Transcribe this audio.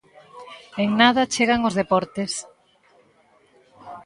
En nada chegan os deportes.